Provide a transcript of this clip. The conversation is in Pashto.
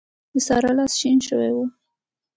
د سارا لاس شين شوی دی.